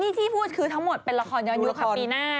ที่พูดคือทั้งหมดเป็นละครย้อนยุคค่ะปีหน้า